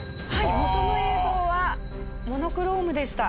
元の映像はモノクロームでした。